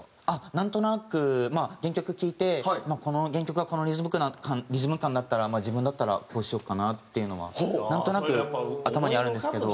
なんとなくまあ原曲聴いてこの原曲はこのリズム感だったら自分だったらこうしようかなっていうのはなんとなく頭にあるんですけど。